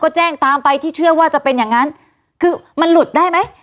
ก็แจ้งตามไปที่เชื่อว่าจะเป็นอย่างนั้นคือมันหลุดได้ไหม